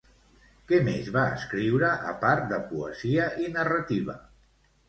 Què més va escriure, a part de poesia i narrativa?